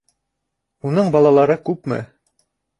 Уның балалары күпме?